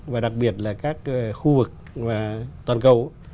và đặc biệt là các khu vực toàn cầu